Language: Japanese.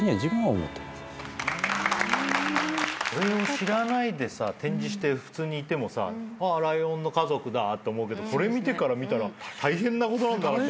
知らないで展示して普通にいてもさライオンの家族だと思うけどこれ見てから見たら大変なことなんだなと。